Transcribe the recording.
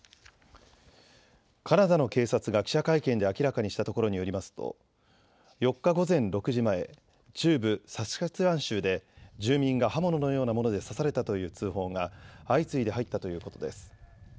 カナダの警察が記者会見で明らかにしたところによりますと４日午前６時前、中部サスカチワン州で住民が刃物のようなもので刺されたという通報が相次いで入ったということです。